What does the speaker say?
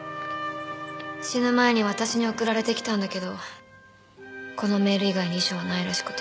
死ぬ前に私に送られてきたんだけどこのメール以外に遺書はないらしくて。